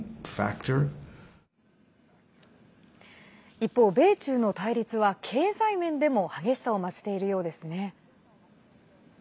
一方、米中の対立は経済面でも激しさを増しているようですね。